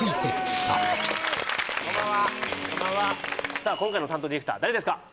さあ今回の担当ディレクター誰ですか？